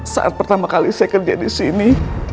saat pertama kali saya kerja di sini